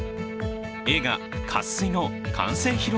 映画「渇水」の完成披露